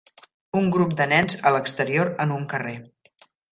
Un grup de nens a l'exterior en un carrer.